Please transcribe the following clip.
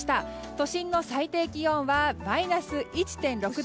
都心の最低気温はマイナス１．６度。